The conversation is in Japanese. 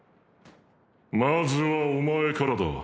まずはお前からだ。